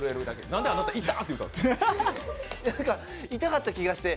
何か痛かった気がして。